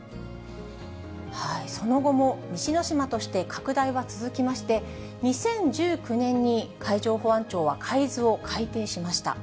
その後も西之島として拡大は続きまして、２０１９年に海上保安庁は海図を改訂しました。